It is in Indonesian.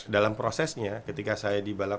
dalam prosesnya ketika saya di balap